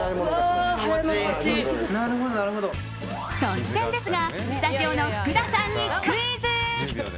突然ですがスタジオの福田さんにクイズ。